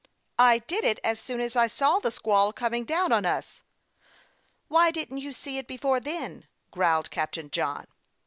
"" I did it as soon as I saw the squall coming down on us." " Why didn't you see it before then ?" growled Captain John.